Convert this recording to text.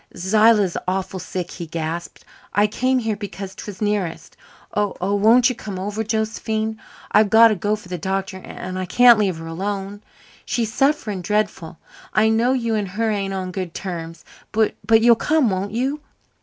"Zillah's awful sick," he gasped. "I came here because 'twas nearest. Oh, won't you come over, Josephine? I've got to go for the doctor and I can't leave her alone. She's suffering dreadful. I know you and her ain't on good terms, but you'll come, won't you?"